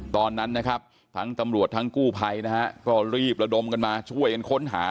ตอนนั้นนะครับทั้งตำรวจทั้งกู้ภัยนะฮะก็รีบระดมกันมาช่วยกันค้นหา